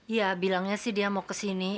iya bilangnya sih dia mau kesini